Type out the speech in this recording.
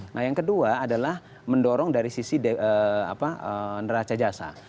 nah yang kedua adalah mendorong dari sisi neraca jasa